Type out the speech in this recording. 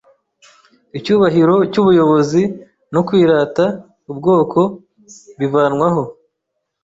icyubahiro cy’ubuyobozi no kwirata ubwoko bivanwaho.